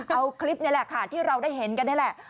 เอาคลิปนี่แหละค่ะที่เราได้เห็นกันนี่แหละ